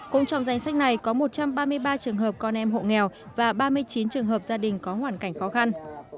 cũng trong danh sách này có một trăm ba mươi ba trường hợp con em hộ nghèo và ba mươi chín trường hợp gia đình có hoàn cảnh khó khăn